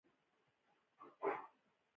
د ګټې او تاوان سنجش پکې نشته.